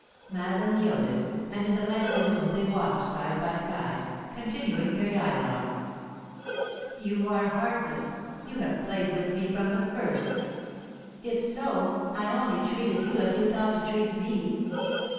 Madeline yielded, and in the light of the moon they walked side by side, continuing their dialogue. "You are heartless! You have played with me from the first." "If so, I only treated you as you thought to treat me."